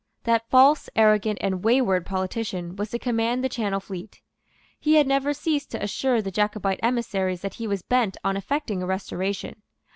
That false, arrogant and wayward politician was to command the Channel Fleet. He had never ceased to assure the Jacobite emissaries that he was bent on effecting a Restoration.